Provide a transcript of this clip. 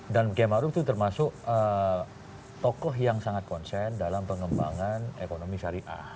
dan km arief itu termasuk tokoh yang sangat konsen dalam pengembangan ekonomi syariah